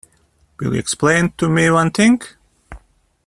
Will you explain to me one thing?